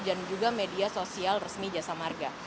dan juga media sosial resmi jasa marga